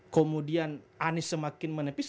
kemudian anies semakin menepis